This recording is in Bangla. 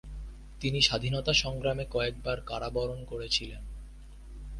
তিনি স্বাধীনতা সংগ্রামে কয়েকবার কারাবরণ করেছিলেন।